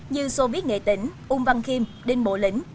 như sô viết nghệ tỉnh u văn khiêm đinh bộ lĩnh